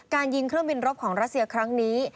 ยิงเครื่องบินรบของรัสเซียครั้งนี้